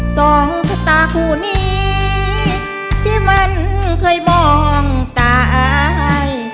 สองซุปตาคู่นี้ที่มันเคยมองตาย